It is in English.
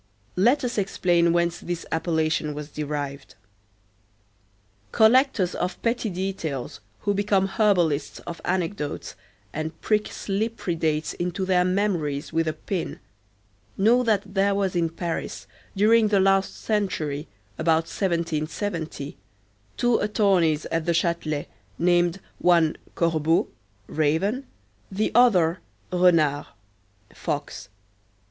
Let us explain whence this appellation was derived. Collectors of petty details, who become herbalists of anecdotes, and prick slippery dates into their memories with a pin, know that there was in Paris, during the last century, about 1770, two attorneys at the Châtelet named, one Corbeau (Raven), the other Renard (Fox).